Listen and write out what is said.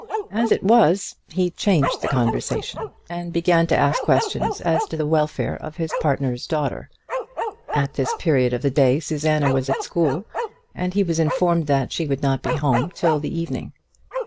As it was, he changed the conversation, and began to ask questions as to the welfare of his partner's daughter. At this period of the day Susanna was at school, and he was informed that she would not be home till the evening.